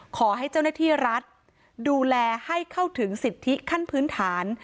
ขอให้เจ้าหน้าที่รัฐดูแลให้เข้าถึงสิทธิขั้นพื้นฐาน